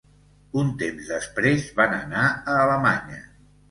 Un temps després van anar a Alemanya.